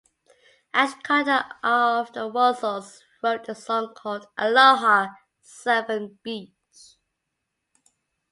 Adge Cutler of The Wurzels wrote a song called "Aloha Severn Beach".